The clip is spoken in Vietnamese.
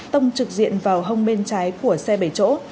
tông trực diện vào hông bên trái của xe bảy chỗ